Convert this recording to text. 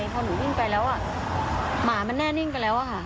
พอหนูวิ่งไปแล้วหมามันแน่นิ่งไปแล้วค่ะ